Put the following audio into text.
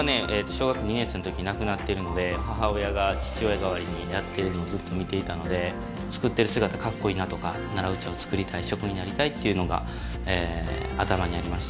小学校２年生の時に亡くなってるので母親が父親代わりにやってるのをずっと見ていたので作ってる姿かっこいいなとか奈良団扇作りたい職人になりたいっていうのが頭にありましたね